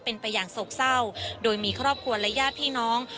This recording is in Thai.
เป็นไปอย่างโศกเศร้าโดยมีครอบครัวและญาติพี่น้อง